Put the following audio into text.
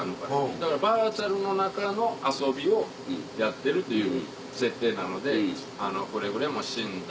だからバーチャルの中の遊びをやってるという設定なのでくれぐれも「死んだ」